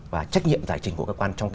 và trách nhiệm giải trình của cơ quan trong